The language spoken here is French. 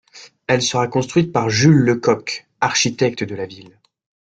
Elle sera construite par Jules Lecocq architecte de la ville.